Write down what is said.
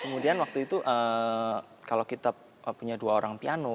kemudian waktu itu kalau kita punya dua orang piano